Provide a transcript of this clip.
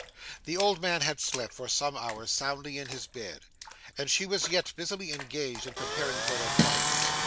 The old man had slept, for some hours, soundly in his bed, and she was yet busily engaged in preparing for their flight.